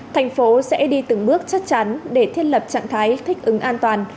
thành phố sẽ đi từng bước chắc chắn để thiết lập trạng thái thích ứng an toàn